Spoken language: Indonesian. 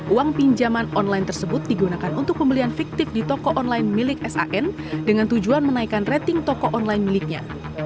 uang pinjaman online tersebut digunakan untuk pembelian fiktif di toko online milik san dengan tujuan menaikkan rating toko online miliknya